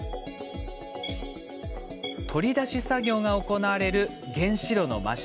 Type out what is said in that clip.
取り出し作業が行われる原子炉の真下。